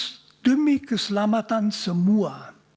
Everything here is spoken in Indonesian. yang demi keselamatan semua